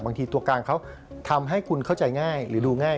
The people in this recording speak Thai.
ตัวกลางเขาทำให้คุณเข้าใจง่ายหรือดูง่าย